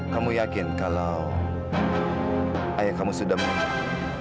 kamu yakin kalau ayah kamu sudah meninggal